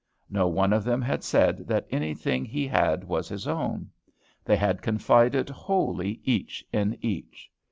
No one of them had said that anything he had was his own. They had confided wholly each in each.